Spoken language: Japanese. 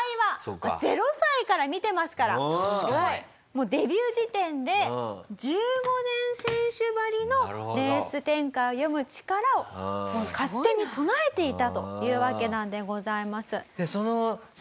もうデビュー時点で１５年選手ばりのレース展開を読む力をもう勝手に備えていたというわけなんでございます。